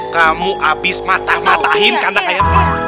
kamu habis matah matahin kandang ayam